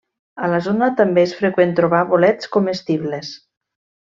A la zona també és freqüent trobar bolets comestibles.